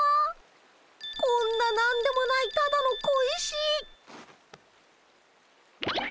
こんな何でもないただの小石。